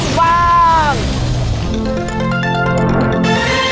กุ้ง